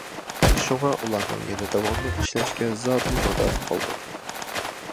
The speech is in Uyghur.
شۇڭا ئۇلارنىڭ يەنە داۋاملىق ئىشلەشكە زادىلا مادارى قالمىدى.